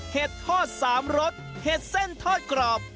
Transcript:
เห็ดทอด๓รสเห็ดเส้นทอดกรอบ